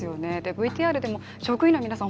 ＶＴＲでも職員の皆さん